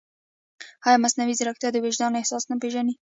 ایا مصنوعي ځیرکتیا د وجدان احساس نه پېژني؟